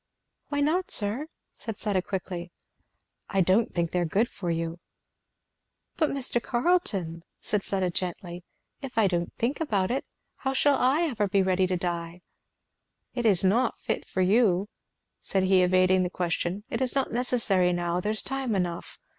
"Why not, sir?" said Fleda quickly. "I don't think they are good for you." "But Mr. Carleton," said Fleda gently, "if I don't think about it, how shall I ever be ready to die?" "It is not fit for you," said he, evading the question, "it is not necessary now, there's time enough.